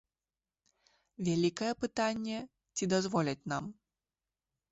Вялікае пытанне, ці дазволяць нам.